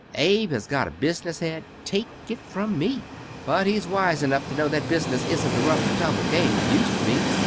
Abe has got a business head, take it from me. But he's wise enough to know that business isn't the rough and tumble game it used to be.